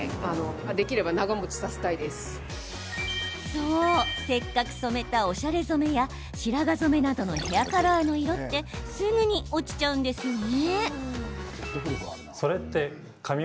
そう、せっかく染めたおしゃれ染めや白髪染めなどのヘアカラーの色ってすぐに落ちちゃうんですよね。